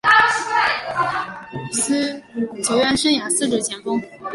球员生涯司职前锋。